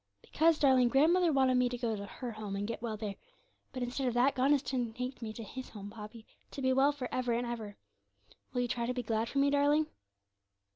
'Because, darling, grandmother wanted me to go to her home and get well there; but instead of that, God is going to take me to His home, Poppy, to be well for ever and ever. Will you try to be glad for me, darling?'